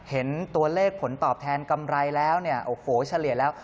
เห็นตัวเลขผลตอบแทนกำไรแล้วเนี่ยโอ้โหเฉลี่ยแล้ว